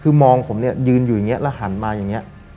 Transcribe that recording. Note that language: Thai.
คือมองผมเนี่ยยืนอยู่อย่างนี้แล้วหันมาอย่างนี้